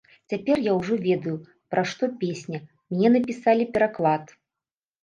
Цяпер я ўжо ведаю, пра што песня, мне напісалі пераклад.